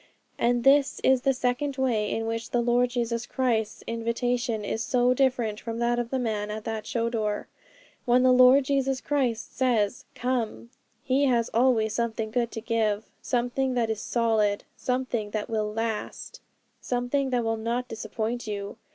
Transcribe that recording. And this is the second way in which the Lord Jesus Christ's invitation is so different from that of the man at that show door. When the Lord Jesus Christ says "Come," He has always something good to give, something that is solid, something that will last, something that will not disappoint you.